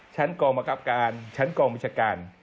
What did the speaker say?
ชั้นกองประกับการชั้นกองวิชาการ